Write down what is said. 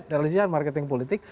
dari sisi marketing politik